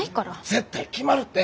絶対決まるって！